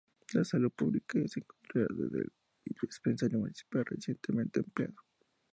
La salud pública se controla desde el Dispensario Municipal, recientemente ampliado.